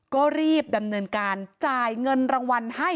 ก็รีบดำเนินการจ่ายเงินรางวัลให้